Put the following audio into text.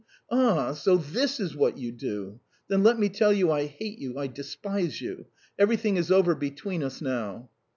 "Ah, so this is what you do! Then let me tell you I hate you, I despise you! Everything is over between us now."